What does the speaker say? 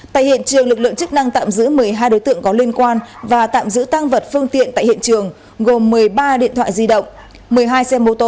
tại hiện trường lực lượng chức năng tạm giữ một mươi hai đối tượng có liên quan và tạm giữ tăng vật phương tiện tại hiện trường gồm một mươi ba điện thoại di động một mươi hai xe mô tô